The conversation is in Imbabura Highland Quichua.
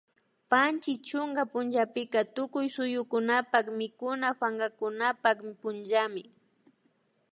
Panchi chunka punllapika tukuy suyukunapak mikuna pankakunapak punllami